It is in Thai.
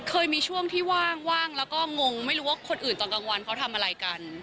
เคยมีช่วงที่ว่างแล้วก็งงไม่รู้ว่าคนอื่นตอนกลางวันเขาทำอะไรกัน